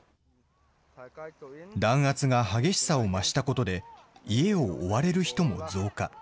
弾圧が激しさを増したことで、家を追われる人も増加。